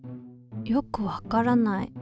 よくわからない。